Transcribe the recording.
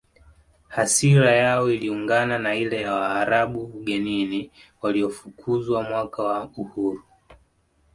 Hasira yao iliungana na ile ya Waarabu ugenini waliofukuzwa mwaka wa uhuru